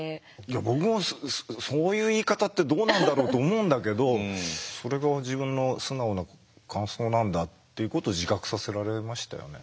僕もそういう言い方ってどうなんだろうと思うんだけどそれが自分の素直な感想なんだっていうことを自覚させられましたよね。